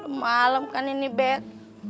udah malem kan ini bet